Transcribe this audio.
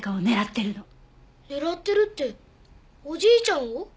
狙ってるっておじいちゃんを？